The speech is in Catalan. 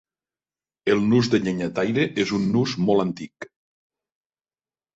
El nus de llenyataire és un nus molt antic.